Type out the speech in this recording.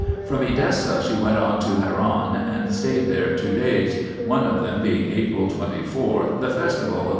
From Edessa she went on to Haran and stayed there two days, one of them being April 24, the festival of S.